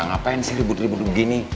ngapain sih ribut ribut begini